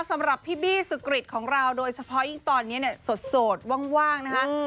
สำหรับพี่บี้สุกริตของเราโดยเฉพาะยิ่งตอนนี้เนี่ยสดว่างนะคะ